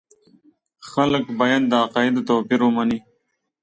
خلک باید د عقایدو توپیر ومني.